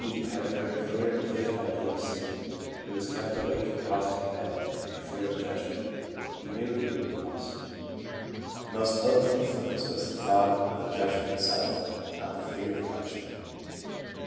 had a very clear and vivid idea of sin. He was kept awake and tossed in bed, for fear of the Judgment. He knew he would be lost. The most potent influence was the thought of the Judgment itself, not the fear of punishment.